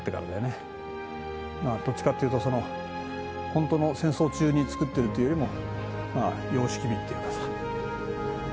まあどっちかっていうとホントの戦争中に造ってるっていうよりもまあ様式美っていうかさ。